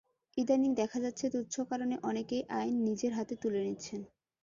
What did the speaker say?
ইদানীং দেখা যাচ্ছে, তুচ্ছ কারণে অনেকেই আইন নিজের হাতে তুলে নিচ্ছেন।